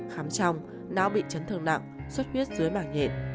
khám trong não bị chấn thương nặng xuất huyết dưới mạng nhện